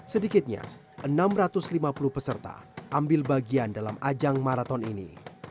sedikitnya enam ratus lima puluh peserta ambil bagian dalam ajang maraton ini